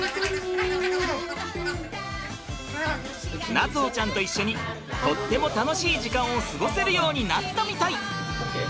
夏歩ちゃんと一緒にとっても楽しい時間を過ごせるようになったみたい！